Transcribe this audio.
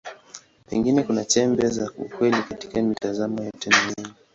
Pengine kuna chembe za ukweli katika mitazamo yote miwili.